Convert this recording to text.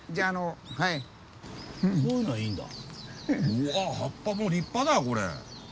うわ葉っぱも立派だこれ。